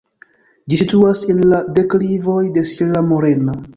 Ĝi situas en la deklivoj de Sierra Morena.